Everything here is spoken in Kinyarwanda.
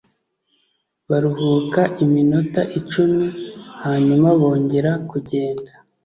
baruhuka iminota icumi hanyuma bongera kugenda